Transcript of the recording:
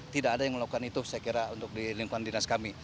tidak ada yang melakukan itu saya kira untuk di lingkungan dinas kami